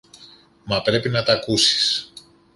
Μα πρέπει να τ' ακούσεις.